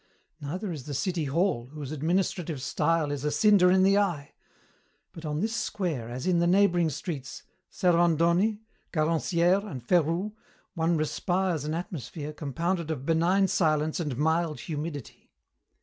Neither is the city hall, whose administrative style is a cinder in the eye. But on this square, as in the neighbouring streets, Servandoni, Garancière, and Ferrou, one respires an atmosphere compounded of benign silence and mild humidity.